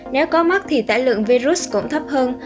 nếu có mắt thì tải lượng virus cũng thấp hơn